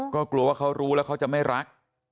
ก็กลัวว่าเขารู้แล้วเขาจะไม่รัก